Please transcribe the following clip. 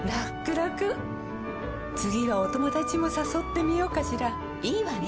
らくらくはお友達もさそってみようかしらいいわね！